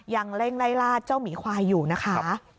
ยังเร่งไล่ลาดเจ้าหมีควายอยู่นะคะ